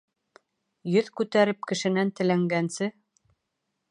Йөҙ күтәреп кешенән теләнгәнсе